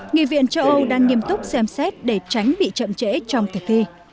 nghị viện châu âu đang nghiêm túc xem xét để tránh bị chậm trễ trong thực thi